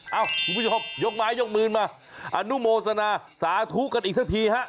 คุณผู้ชมยกไม้ยกมือมาอนุโมสนาสาธุกันอีกสักทีฮะ